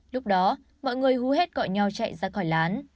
lúc đó mọi người hú hết gọi nhau chạy ra khỏi lán